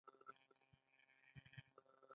د ودانیو ډیزاین انجنیران کوي